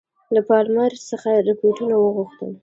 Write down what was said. له پالمر څخه رپوټونه وغوښتل.